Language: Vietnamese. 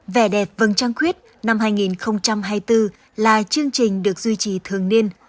vẻ đẹp vầng trăng khuyết năm hai nghìn hai mươi bốn là chương trình được duy trì thường niên